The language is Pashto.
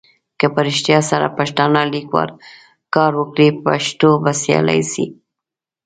که په رېښتیا سره پښتانه لیکوال کار وکړي پښتو به سیاله سي.